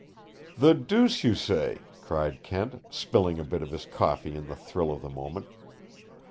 "The deuce you say!" cried Kent, spilling a bit of his coffee in the thrill of the moment.